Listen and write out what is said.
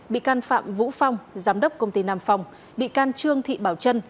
bị can phạm vũ phong giám đốc công ty nam phong bị can trương thị bảo trân